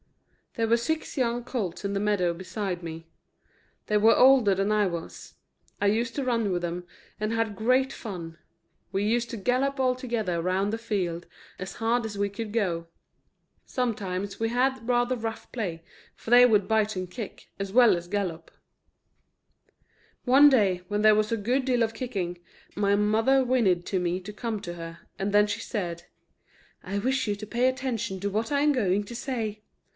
There were six young colts in the meadow beside me; they were older than I was. I used to run with them, and had great fun; we used to gallop all together round the field, as hard as we could go. Sometimes we had rather rough play, for they would bite and kick, as well as gallop. One day, when there was a good deal of kicking, my mother whinnied to me to come to her, and then she said: "I wish you to pay attention to what I am going to say.